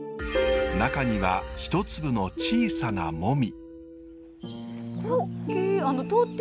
中には一粒の小さなもみ。